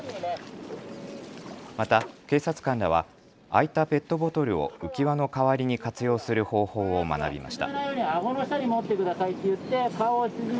また警察官らは空いたペットボトルを浮き輪の代わりに活用する方法を学びました。